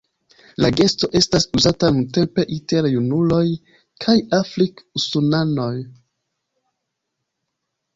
La gesto estas uzata nuntempe inter junuloj kaj afrik-usonanoj.